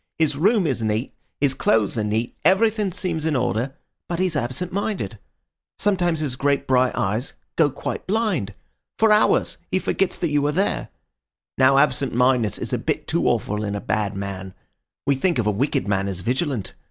His room is neat, his clothes are neat, everything seems in order; but he's absent minded. Sometimes his great bright eyes go quite blind. For hours he forgets that you are there. Now absent mindedness is just a bit too awful in a bad man. We think of a wicked man as vigilant.